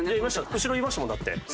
後ろいましたもんだって。